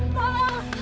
tidak ada dia